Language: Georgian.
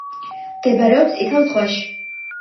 მდებარეობს წითელი ზღვაში.